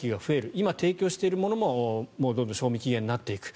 今、提供しているものもどんどん賞味期限になっていく。